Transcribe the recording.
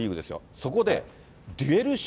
そこでデュエル勝